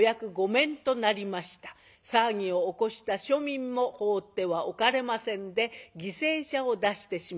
騒ぎを起こした庶民も放ってはおかれませんで犠牲者を出してしまった。